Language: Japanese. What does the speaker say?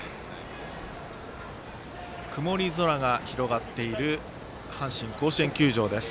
曇り空が広がっている阪神甲子園球場です。